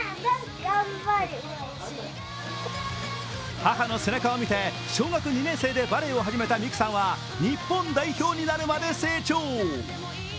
母の背中を見て小学２年生でバレーを始めた美空さんは日本代表になるまで成長。